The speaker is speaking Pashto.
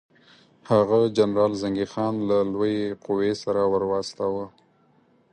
هغه جنرال زنګي خان له لویې قوې سره ورواستاوه.